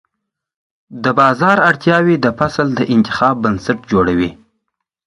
د بازار اړتیاوې د فصل د انتخاب بنسټ جوړوي.